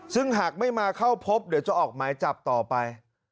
ซึ่งหากไม่มาเข้าพบเดี๋ยวจะออกหมายจับต่อไป